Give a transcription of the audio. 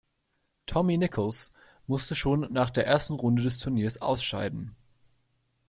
Tommy Nicholls musste schon nach der ersten Runde des Turniers ausscheiden.